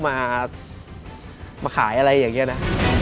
มาขายอะไรอย่างนี้นะ